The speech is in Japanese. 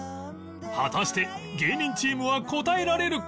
果たして芸人チームは答えられるか？